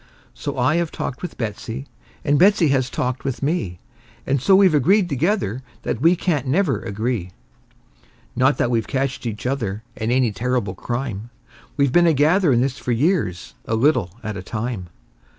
So I have talked with Betsey, and Betsey has talked with me, And so we've agreed together that we can't never agree; Not that we've catched each other in any terrible crime; We've been a gathering this for years, a little at a time.